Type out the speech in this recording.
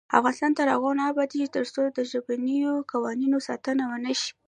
افغانستان تر هغو نه ابادیږي، ترڅو د ژبنیو قوانینو ساتنه ونشي.